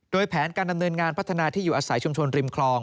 โดยแผนการดำเนินงานพัฒนาที่อยู่อาศัยชุมชนริมคลอง